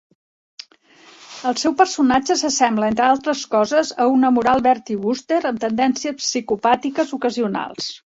El seu personatge s'assembla, entre altres coses, a un amoral Bertie Wooster amb tendències psicopàtiques ocasionals.